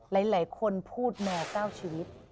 หลายคนพูดแมวเก้าชีวิต